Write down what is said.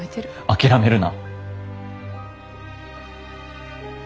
諦めるな。